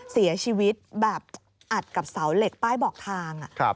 เสียชีวิตแบบอัดกับเสาเหล็กป้ายบอกทาง